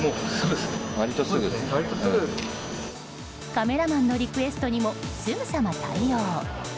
カメラマンのリクエストにもすぐさま対応。